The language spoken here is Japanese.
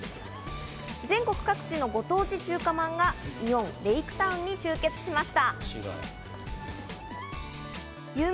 全国各地のご当地中華まんがイオンレイクタウンに集結しました。